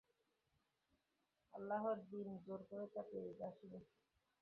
আল্লাহর দ্বীন জোর করে চাপিয়ে দিতে আসিনি।